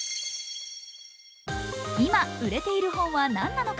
今、売れている本は何なのか。